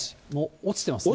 落ちてますね。